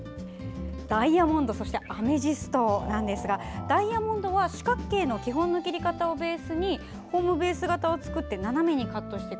ダイヤモンドアメジストなんですがダイヤモンドは四角形の切り方をベースにホームベース形を作って斜めにカットしていく。